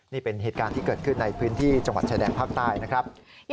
นี่เป็นเหตุการณ์ที่เกิดขึ้นในพื้นที่จังหวัดชายแดนภาคใต้นะครับ